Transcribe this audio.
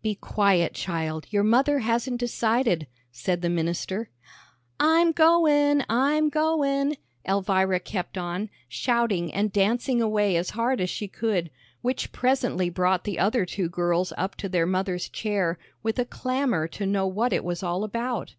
"Be quiet, child, your mother hasn't decided," said the minister. "I'm goin'; I'm goin'," Elvira kept on, shouting and dancing away as hard as she could, which presently brought the other two girls up to their mother's chair with a clamor to know what it was all about.